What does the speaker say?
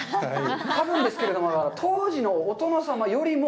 多分ですけれども、当時のお殿様よりも